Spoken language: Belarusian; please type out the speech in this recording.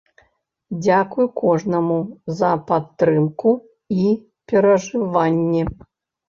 Дзякуй кожнаму за падтрымку і перажыванні.